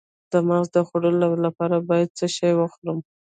د مغز د خوړو لپاره باید څه شی وخورم؟